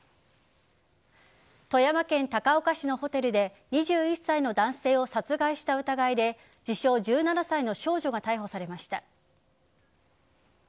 富山県高岡市のホテルで２１歳の男性を殺害した疑いで自称１７歳の少女が逮捕されました。